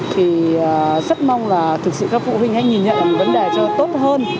thì rất mong là thực sự các phụ huynh hãy nhìn nhận vấn đề cho tốt hơn